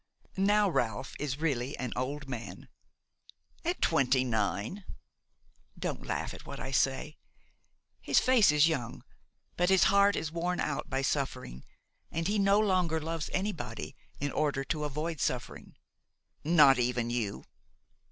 Now, Ralph is really an old man." "At twenty nine?" "Don't laugh at what I say. His face is young, but his heart is worn out by suffering, and he no longer loves anybody, in order to avoid suffering." "Not even you?"